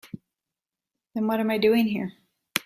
Then what am I doing here?